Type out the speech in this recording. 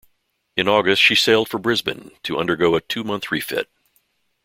In August, she sailed for Brisbane to undergo a two-month refit.